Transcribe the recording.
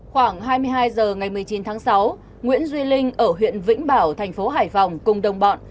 khoảng hai mươi hai h ngày một mươi chín tháng sáu nguyễn duy linh ở huyện vĩnh bảo thành phố hải phòng cùng đồng bọn